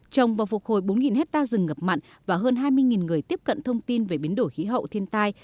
trồng và phục hồi bốn hectare rừng ngập mặn và hơn hai mươi người tiếp cận thông tin về biến đổi khí hậu thiên tai